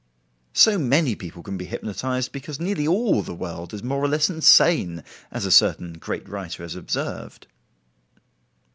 So many people can be hypnotized because nearly all the world is more or less insane, as a certain great writer has observed.